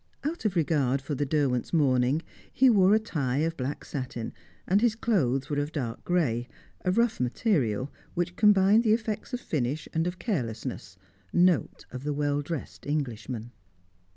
Out of regard for the Derwents' mourning, he wore a tie of black satin, and his clothes were of dark grey, a rough material which combined the effects of finish and of carelessness note of the well dressed Englishman.